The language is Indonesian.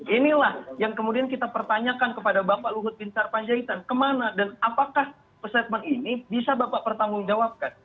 inilah yang kemudian kita pertanyakan kepada bapak luhut bin sarpanjaitan kemana dan apakah statement ini bisa bapak pertanggungjawabkan